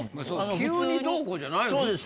急にどうこうじゃないそうです